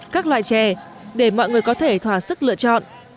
các loại chè để mọi người có thể thỏa sức lựa chọn